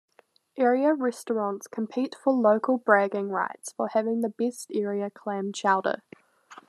Area restaurants compete for local bragging rights for having the best area clam chowder.